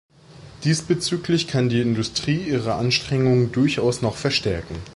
Diesbezüglich kann die Industrie ihre Anstrengungen durchaus noch verstärken.